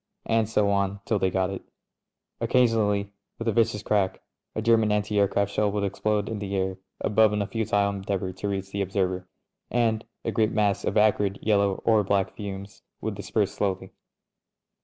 And so on till they got it. Occasionally, with a vicious crack, a German anti aircraft shell would explode in the air above in a futile endeavour to reach the ob server, and a great mass of acrid yellow or black fumes would disperse slowly.